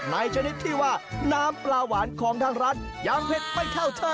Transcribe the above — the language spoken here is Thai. ชนิดที่ว่าน้ำปลาหวานของทางร้านยังเผ็ดไม่เท่าเธอ